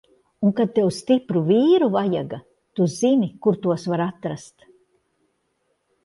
Un kad tev stipru vīru vajaga, tu zini, kur tos var atrast!